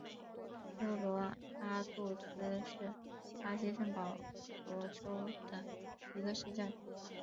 科罗阿杜斯是巴西圣保罗州的一个市镇。